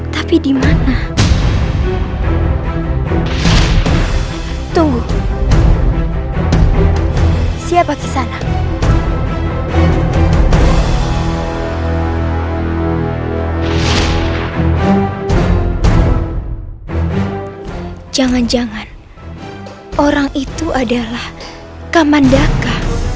jangan jangan orang itu adalah kamandaka